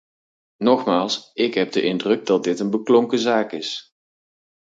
Nogmaals, ik heb de indruk dat dit een beklonken zaak is.